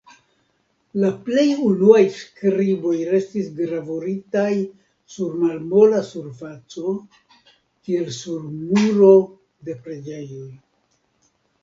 La plej unuaj skriboj restis gravuritaj sur malmola surfaco kiel sur muro de preĝejoj.